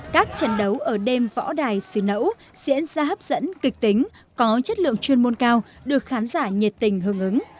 các trận đấu ở đêm võ đài xin nẫu diễn ra hấp dẫn kịch tính có chất lượng chuyên môn cao được khán giả nhiệt tình hưởng ứng